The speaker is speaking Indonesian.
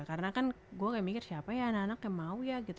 karena kan gue kayak mikir siapa ya anak anak yang mau ya gitu